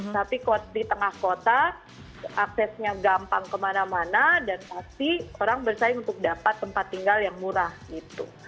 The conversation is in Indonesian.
tapi di tengah kota aksesnya gampang kemana mana dan pasti orang bersaing untuk dapat tempat tinggal yang murah gitu